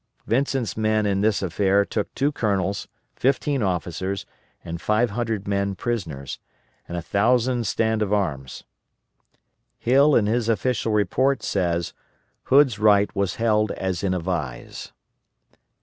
Vincent's men in this affair took two colonels, fifteen officers, and five hundred men prisoners, and a thousand stand of arms. Hill in his official report says "Hood's right was held as in a vise."